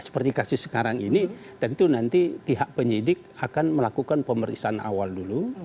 seperti kasus sekarang ini tentu nanti pihak penyidik akan melakukan pemeriksaan awal dulu